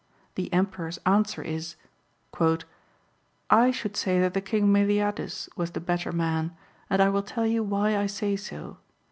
The Emperor's answer is : "I should say that the King Meliadus was the better man, and I will tell you why I say so.